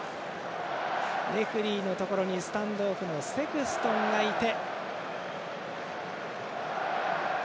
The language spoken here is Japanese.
レフリーのところにスタンドオフのセクストンがいて。